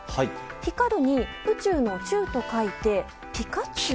「光」に宇宙の「宙」と書いてピカチュウ。